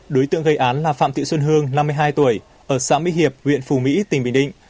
đối tượng gây án là phạm thị xuân hương năm mươi hai tuổi ở xã mỹ hiệp huyện phù mỹ tỉnh bình định